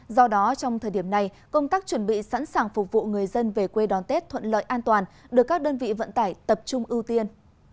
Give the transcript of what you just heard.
do đó trong thời điểm này công tác chuẩn bị sẵn sàng phục vụ người dân về quê đón tết thuận lợi an toàn được các đơn vị vận tải tập trung ưu tiên